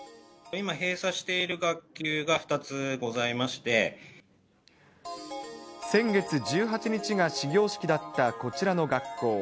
今、閉鎖している学級が２つ先月１８日が始業式だったこちらの学校。